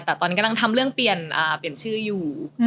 แต่ตอนนี้กำลังทำเรื่องเปลี่ยนชื่ออยู่